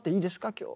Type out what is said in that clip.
今日。